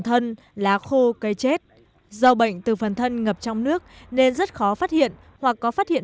thân lá khô cây chết dầu bệnh từ phần thân ngập trong nước nên rất khó phát hiện hoặc có phát hiện